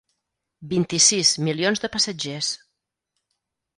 Vint-i-sis milions de passatgers.